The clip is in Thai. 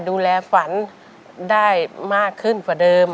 ดูแลฝันได้มากขึ้นกว่าเดิม